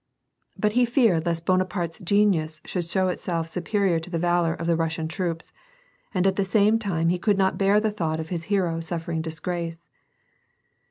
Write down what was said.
But he feared lest Bonaparte's genius should show itself superior to the valor of the Russian troops, and at the same time he could not bear the thought of his hero suffering disgrace.